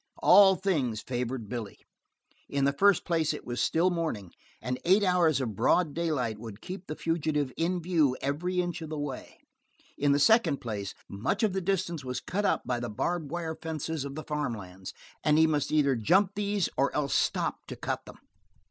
All things favored Billy. In the first place it was still morning, and eight hours of broad daylight would keep the fugitive in view every inch of the way. In the second place, much of the distance was cut up by the barb wire fences of the farm lands, and he must either jump these or else stop to cut them.